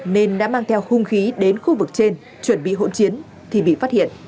nên đã mang theo hung khí đến khu vực trên chuẩn bị hỗn chiến thì bị phát hiện